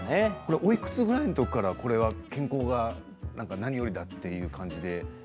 おいくつぐらいから健康が何よりだという感じで？